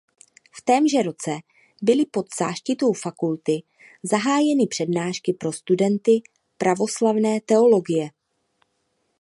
V témže roce byly pod záštitou fakulty zahájeny přednášky pro studenty pravoslavné teologie.